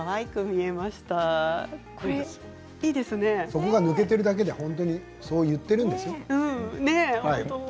そこが抜けているだけで本当にそう言っているんですよ。